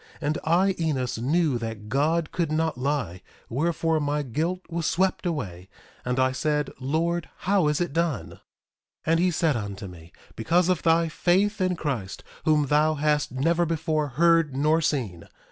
1:6 And I, Enos, knew that God could not lie; wherefore, my guilt was swept away. 1:7 And I said: Lord, how is it done? 1:8 And he said unto me: Because of thy faith in Christ, whom thou hast never before heard nor seen.